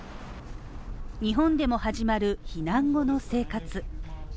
日本でも始まる避難後の生活。